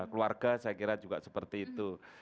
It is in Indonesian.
keluarga saya kira juga seperti itu